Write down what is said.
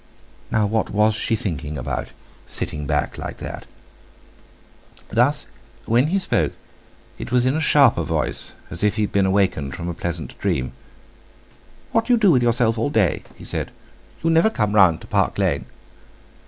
Now what was she thinking about—sitting back like that? Thus when he spoke it was in a sharper voice, as if he had been awakened from a pleasant dream. "What d'you do with yourself all day?" he said. "You never come round to Park Lane!"